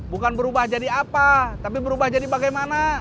bukan berubah jadi apa tapi berubah jadi bagaimana